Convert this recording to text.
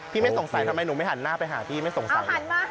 ไม่สงสัยทำไมหนูไม่หันหน้าไปหาพี่ไม่สงสัย